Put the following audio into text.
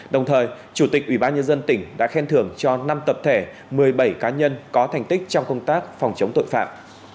đồng thời chủ tịch ubnd tỉnh đã khen thưởng cho năm tập thể một mươi bảy cá nhân có thành tích trong công tác phòng chống tội phạm